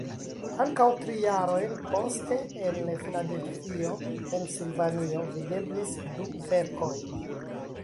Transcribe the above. Ankaŭ tri jarojn poste en Filadelfio (Pensilvanio) videblis du verkoj.